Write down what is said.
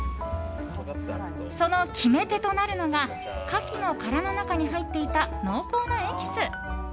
その決め手となるのがカキの殻の中に入っていた濃厚なエキス。